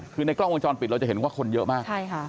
คือในกล้องวงจรปิดเราจะเห็นว่าคนเยอะมากใช่ค่ะ